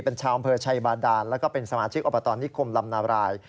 เป็นชาวอำเภอชัยบาดานแล้วก็เป็นสมาชิกอบตนิคมลำนาบราย